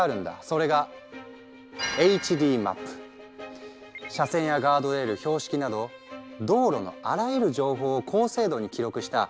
それが車線やガードレール標識など道路のあらゆる情報を高精度に記録した